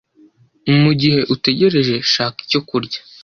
Mugihe utegereje, shaka icyo kurya.